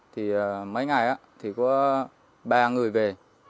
thì mấy ngày thì có ba người về